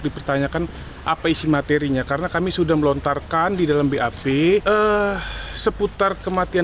dipertanyakan apa isi materinya karena kami sudah melontarkan di dalam bap seputar kematian